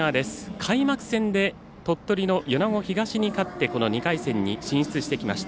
開幕戦で鳥取の米子東に勝って２回戦に進出してきました。